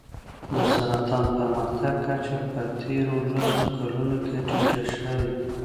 د سرطان پرمختګ کچه په تېرو لسو کلونو کې ټیټه شوې.